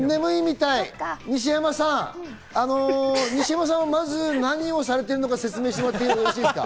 西山さん、西山さんはまず何をされているのか説明してもらってよろしいですか？